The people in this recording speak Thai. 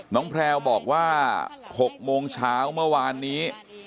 แพลวบอกว่า๖โมงเช้าเมื่อวานนี้